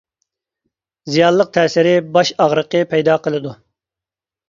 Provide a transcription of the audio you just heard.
زىيانلىق تەسىرى باش ئاغرىقى پەيدا قىلىدۇ.